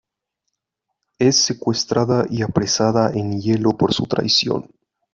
Es secuestrada y apresada en hielo por su traición.